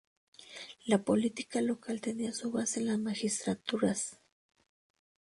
La política local tenía su base en las magistraturas.